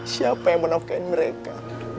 siapa yang manfaatin mereka